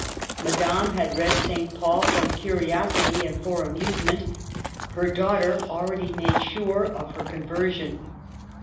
Madame had read Saint Paul, from curiosity and for amusement; her daughter already made sure of her conversion.